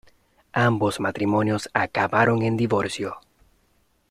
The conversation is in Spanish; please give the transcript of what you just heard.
Ambos matrimonios acabaron en divorcio.